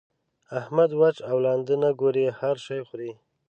احمد؛ وچ او لانده نه ګوري؛ هر شی خوري.